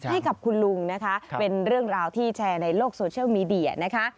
ที่กับคุณลุงเป็นเรื่องราวที่แชร์ในโลกโซเชียลมีเดีย